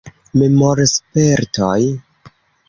Memorspertoj.